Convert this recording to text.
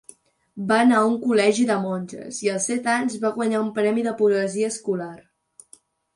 Va anar a un col·legi de monges i, als set anys, va guanyar un premi de poesia escolar.